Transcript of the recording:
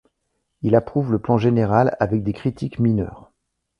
Il approuve le plan général avec des critiques mineures.